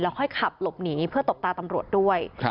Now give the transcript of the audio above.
ค่อยขับหลบหนีเพื่อตบตาตำรวจด้วย